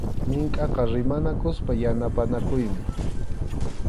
Minkʼaqa rimanakuspa yanapanakuymi.